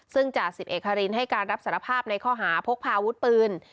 ซึ่งจ่าสิบเอกฮารินให้การรับสารภาพในข้อหาพกพาอาวุธปืน